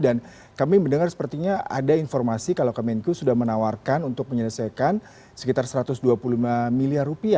dan kami mendengar sepertinya ada informasi kalau kemenku sudah menawarkan untuk menyelesaikan sekitar satu ratus dua puluh lima miliar rupiah